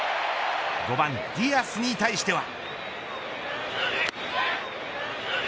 ５番ディアスに対しては。